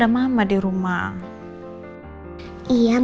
ayo pastikan dia sepertinya julen